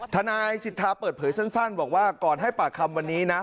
ทนายสิทธาเปิดเผยสั้นบอกว่าก่อนให้ปากคำวันนี้นะ